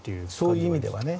そういう意味ではね。